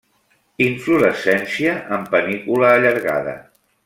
Inflorescència en panícula allargada.